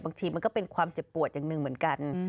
บางทีมันก็เป็นความเจ็บปวดอย่างหนึ่งเหมือนกัน